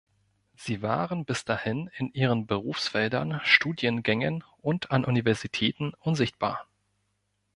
Sie waren bis dahin „in ihren Berufsfeldern, Studiengängen und an Universitäten "unsichtbar"“.